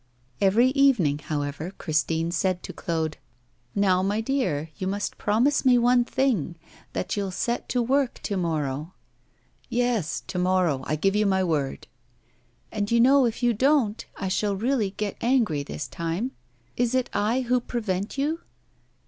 Every evening, however, Christine said to Claude: 'Now, my dear, you must promise me one thing that you'll set to work to morrow.' 'Yes, to morrow; I give you my word.' 'And you know if you don't, I shall really get angry this time. Is it I who prevent you?